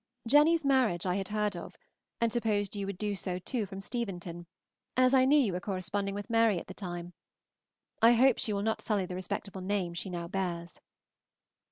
Jenny's marriage I had heard of, and supposed you would do so too from Steventon, as I knew you were corresponding with Mary at the time. I hope she will not sully the respectable name she now bears.